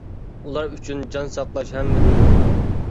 ئۇلار ئۈچۈن جان ساقلاش ھەممىدىن مۇھىم.